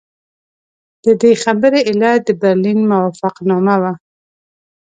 د دې خبرې علت د برلین موافقتنامه وه.